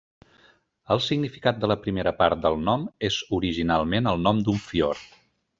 El significat de la primera part del nom és originalment el nom d'un fiord.